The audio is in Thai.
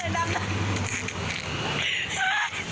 น้ำ